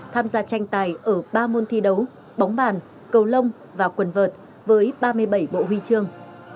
tham gia tranh tài ở ba môn thi đấu bóng bàn cầu lông và quần vợt với ba mươi bảy bộ huy chương